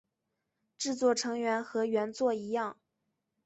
制作成员和原作一样。